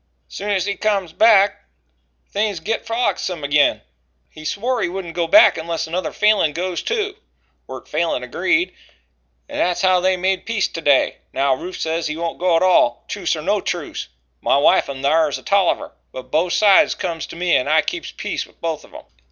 Soon's he comes back, things git frolicksome agin. He swore he wouldn't go back unless another Falin goes too. Wirt Falin agreed, and that's how they made peace to day. Now Rufe says he won't go at all truce or no truce. My wife in thar is a Tolliver, but both sides comes to me and I keeps peace with both of 'em."